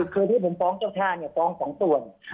คือที่ผมป้องเจ้าชาติป้องสองส่วน